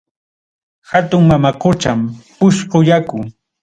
Hatun mama qucham, puchqu yaku.